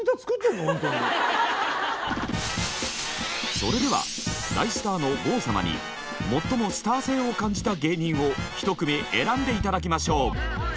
それでは大スターの郷様に最もスター性を感じた芸人をひと組選んで頂きましょう。